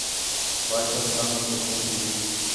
بادشاہ سلامت ہے کھوں تی وِچ